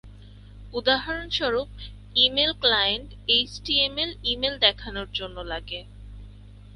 উদাহরণস্বরূপ, email client HTML email দেখানোর জন্যে লাগে।